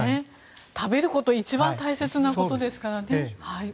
食べることは一番大切なことですからね。